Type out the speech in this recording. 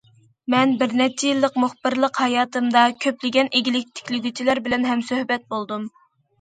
مەن بىر نەچچە يىللىق مۇخبىرلىق ھاياتىمدا كۆپلىگەن ئىگىلىك تىكلىگۈچىلەر بىلەن ھەمسۆھبەت بولدۇم.